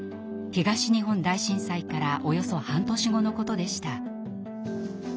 東日本大震災からおよそ半年後のことでした。